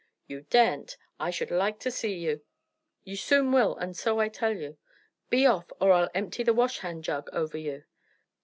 "You daren't. I should like to see you!" "You soon will, and so I tell you. Be off, or I'll empty the wash hand jug over you."